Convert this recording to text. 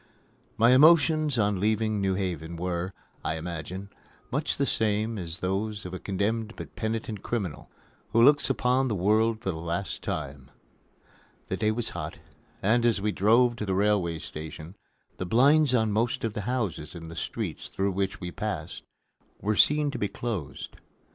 My emotions on leaving New Haven were, I imagine, much the same as those of a condemned but penitent criminal who looks upon the world for the last time. The day was hot, and, as we drove to the railway station, the blinds on most of the houses in the streets through which we passed were seen to be closed.